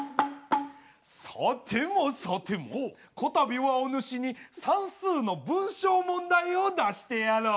さてもさてもこたびはおぬしに算数の文章問題を出してやろう。